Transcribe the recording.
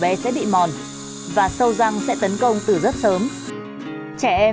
bé sẽ bị mòn và sâu răng sẽ tấn công từ rất sớm nếu không được chăm sóc kỹ răng của bé sẽ bị mòn và sâu răng sẽ tấn công từ rất sớm